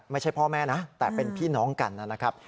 ไม่ใช่พ่อแม่นะแต่เป็นพี่น้องกันนะครับ